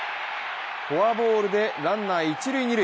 フォアボールでランナー一塁・二塁。